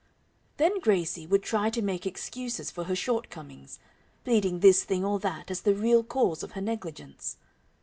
Then Gracie would try to make excuses for her shortcomings, pleading this thing or that as the real cause of her negligence.